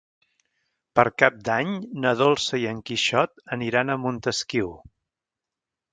Per Cap d'Any na Dolça i en Quixot aniran a Montesquiu.